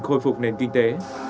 khôi phục nền kinh tế